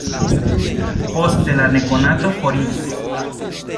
Poste, la nekonato foriris.